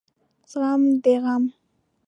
زغم د غم